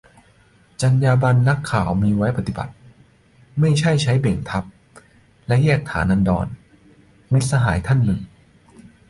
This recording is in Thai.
"จรรยาบรรณนักข่าวมีไว้ปฏิบัติ ไม่ใช่ใช้เบ่งทับและแยกฐานันดร" - มิตรสหายท่านหนึ่ง